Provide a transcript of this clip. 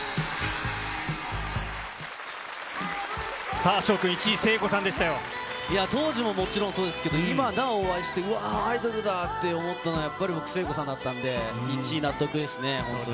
さあ、翔君、当時ももちろんそうですけど、今なおお会いして、うわー、アイドルだって思ったのは、やっぱり僕、聖子さんだったんで、１位、納得ですね、本当に。